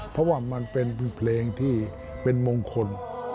เพราะว่ามันเป็นเพลงที่เป็นมงคล